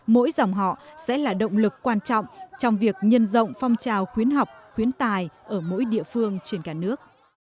mỗi dòng họ sẽ là động lực quan trọng trong việc nhân rộng phong trào khuyến học khuyến tài ở mỗi địa phương trên cả nước